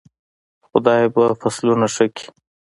خدای به فصلونه ښه کړي.